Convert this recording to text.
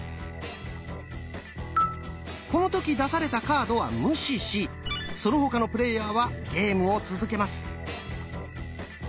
この時出されたカードは無視しその他のプレイヤーはゲームを続けます。